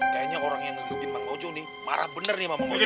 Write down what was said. kayanya orang yang ngegebin bang ojo nih marah bener nih sama bang ojo